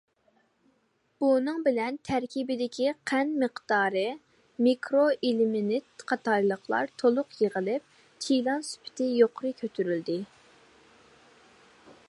بۇنىڭ بىلەن تەركىبىدىكى قەنت مىقدارى، مىكرو ئېلېمېنت قاتارلىقلار تولۇق يىغىلىپ، چىلان سۈپىتى يۇقىرى كۆتۈرۈلدى.